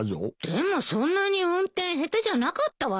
でもそんなに運転下手じゃなかったわよ。